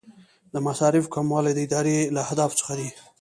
د مصارفو کموالی د ادارې له اهدافو څخه دی.